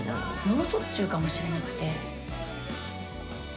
脳卒中かもしれなくて。